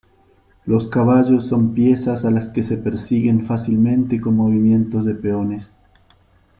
Los caballos son piezas a las que se persiguen fácilmente con movimientos de peones.